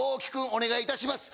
お願いします！